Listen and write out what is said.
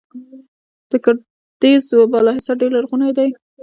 د ګردیز بالاحصار ډیر لرغونی دی